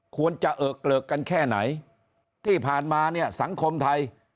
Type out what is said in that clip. เออเกลิกกันแค่ไหนที่ผ่านมาเนี่ยสังคมไทย